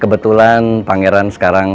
kebetulan pangeran sekarang